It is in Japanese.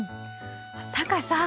タカさん